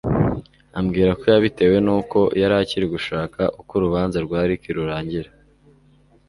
ambwira ko yabitewe nuko yari akiri gushaka uko urubanza rwa Ricky rurangira